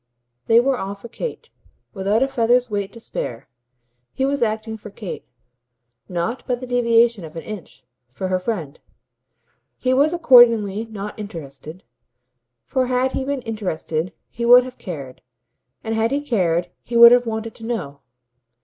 They were all for Kate, without a feather's weight to spare. He was acting for Kate not, by the deviation of an inch, for her friend. He was accordingly not interested, for had he been interested he would have cared, and had he cared he would have wanted to know.